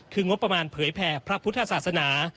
คืองบประมาณเผยแผ่พระพุทธศาสนา